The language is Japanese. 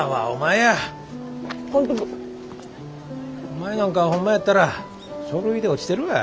お前なんかホンマやったら書類で落ちてるわ。